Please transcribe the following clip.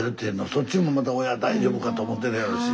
そっちもまた親大丈夫かと思ってるやろし。